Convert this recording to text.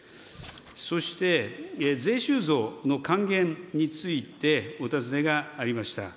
そして、税収増の還元についてお尋ねがありました。